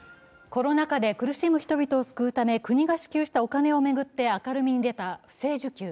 コロナ禍で苦しむ人々を救うため国が支給したお金を巡って明るみに出た不正受給。